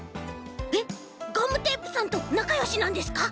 えっガムテープさんとなかよしなんですか？